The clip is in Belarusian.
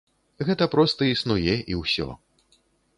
Гэта проста існуе і ўсё.